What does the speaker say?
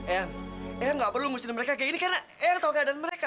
eyang eyang tidak perlu mengusirin mereka seperti ini karena eyang tahu keadaan mereka kan